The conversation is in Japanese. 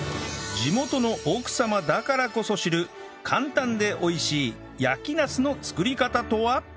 地元の奥様だからこそ知る簡単で美味しい焼きナスの作り方とは？